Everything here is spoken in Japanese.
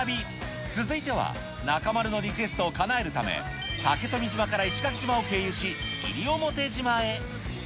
続いては、中丸のリクエストをかなえるため、竹富島から石垣島を経由し、西表島へ。